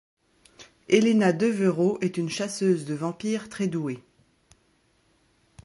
Elena Deveraux est une chasseuse de vampire très douée.